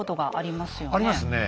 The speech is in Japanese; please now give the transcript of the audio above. ありますね。